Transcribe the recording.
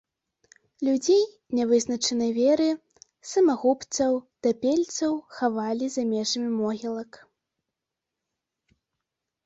Людзей нявызначанай веры, самагубцаў, тапельцаў хавалі за межамі могілак.